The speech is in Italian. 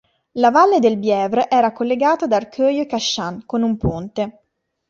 La valle del Bièvre era collegata ad Arcueil-Cachan con un ponte.